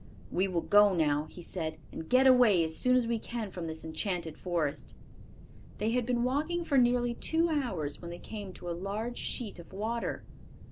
"We will go now," he said, "and get away as soon as we can from this enchanted forest." They had been walking for nearly two hours when they came to a large sheet of water.